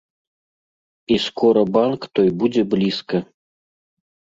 І скора банк той будзе блізка.